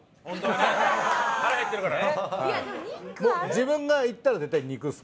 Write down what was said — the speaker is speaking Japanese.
自分が行ったら絶対肉です。